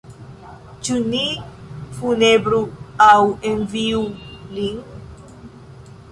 Ĉu ni funebru aŭ enviu lin?